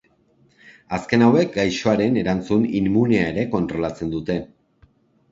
Azken hauek gaixoaren erantzun immunea ere kontrolatzen dute.